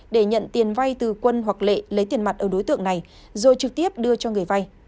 để nhận tiền vay từ quân hoặc lệ lấy tiền mặt ở đối tượng này rồi trực tiếp đưa cho người vay